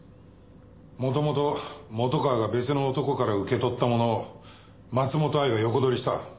もともと本川が別の男から受け取ったものを松本藍が横取りした。